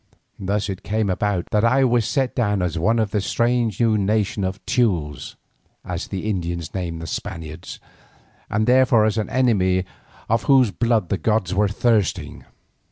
Thus it came about that I was set down as one of this strange new nation of Teules, as the Indians named the Spaniards, and therefore as an enemy for whose blood the gods were thirsting.